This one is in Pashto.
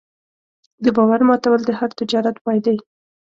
د باور ماتول د هر تجارت پای دی.